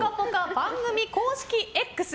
番組公式Ｘ